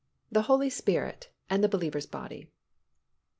THE HOLY SPIRIT AND THE BELIEVER'S BODY.